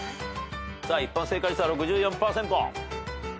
一般正解率は６４％。